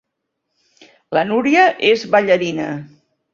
La Núria és ballarina.